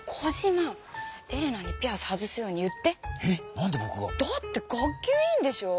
なんでぼくが？だって学級委員でしょう。